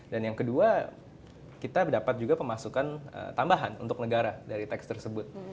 dan yang kedua kita dapat juga pemasukan tambahan untuk negara dari tax tersebut